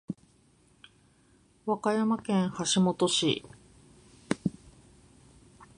和歌山県橋本市